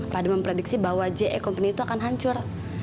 padu memprediksi bahwa je company itu akan hancur